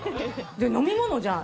で、飲み物じゃん？